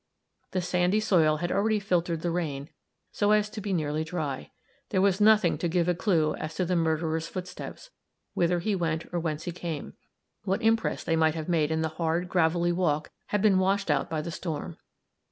The sandy soil had already filtered the rain, so as to be nearly dry; there was nothing to give a clue to the murderer's footsteps, whither he went or whence he came what impress they might have made in the hard, gravelly walk had been washed out by the storm.